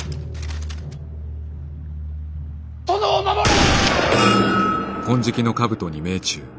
殿を守れ！